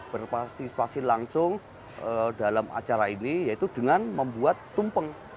berpartisipasi langsung dalam acara ini yaitu dengan membuat tumpeng